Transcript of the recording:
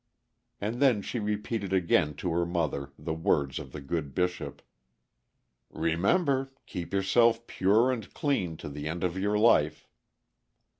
And then she repeated again to her mother the words of the good Bishop, "Remember, keep yourself pure and clean to the end of your life."